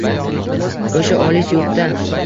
O’sha olis yurtda